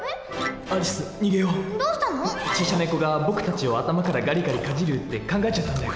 チェシャ猫が僕たちを頭からがりがりかじるって考えちゃったんだよ。